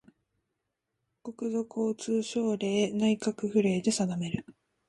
国土交通省令・内閣府令で定める